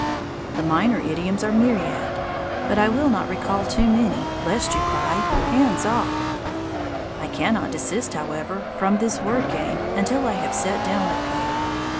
The minor idioms are myriad; but I will not recall too many, lest you cry, "Hands off!" I cannot desist, however, from this word game until I have set down a few.